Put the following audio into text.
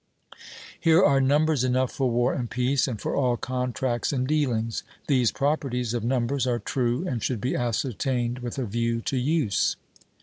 Here are numbers enough for war and peace, and for all contracts and dealings. These properties of numbers are true, and should be ascertained with a view to use.